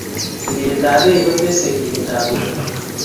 piretap pek kotesei kimindap porto